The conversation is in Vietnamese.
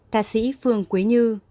cá sĩ phương quế như